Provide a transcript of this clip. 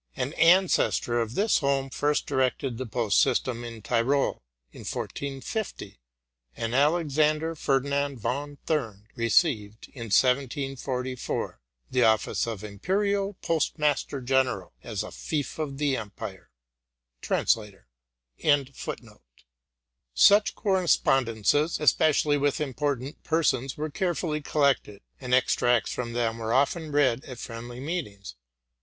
An ancestor of this house first directed the post system in Tyrol, in 1450; and Alexander Ferdinand von Thurn received, in 1744, the office of Imperial Postmaster general, as a fief of the empire. — TRANS. RELATING TO MY LIFE. 145 Such correspondences, especially with important persons, were carefully collected ; and extracts from them were often read at friendly meetings.